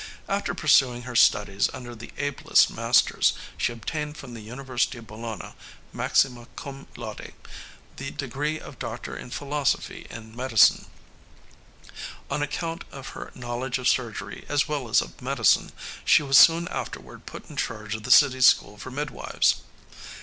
After pursuing her studies under the ablest masters, she obtained from the University of Bologna, maxima cum laude, the degree of doctor in philosophy and medicine. On account of her knowledge of surgery, as well as of medicine, she was soon afterward put in charge of the city's school for midwives.